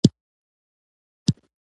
د بازار څېړنه د نوښت سرچینه ده.